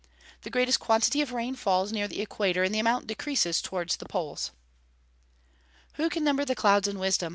_ The greatest quantity of rain falls near the equator, and the amount decreases towards the poles. [Verse: "Who can number the clouds in wisdom?